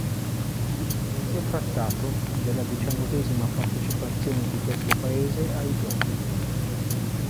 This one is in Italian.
Si è trattato della diciannovesima partecipazione di questo paese ai Giochi.